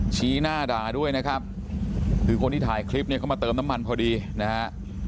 ชี้หน้าด่าด้วยนะครับคือคนที่ถ่ายคลิปเนี่ยเขามาเติมน้ำมันพอดีนะฮะ